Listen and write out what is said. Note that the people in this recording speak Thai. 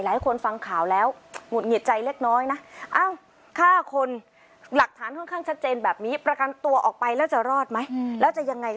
หลายคนฟังข่าวแล้วหงุดหงิดใจเล็กน้อยนะเอ้าฆ่าคนหลักฐานค่อนข้างชัดเจนแบบนี้ประกันตัวออกไปแล้วจะรอดไหมแล้วจะยังไง